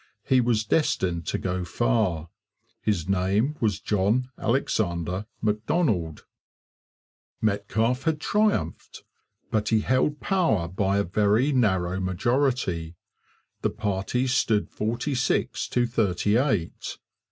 He was destined to go far. His name was John Alexander Macdonald. Metcalfe had triumphed, but he held power by a very narrow majority; the parties stood forty six to thirty eight.